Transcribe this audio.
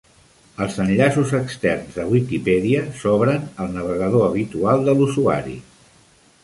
Els enllaços externs a Wikipedia s'obren al navegador habitual de l'usuari.